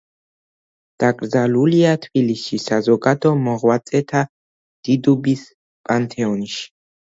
დაკრძალულია თბილისში, საზოგადო მოღვაწეთა დიდუბის პანთეონში.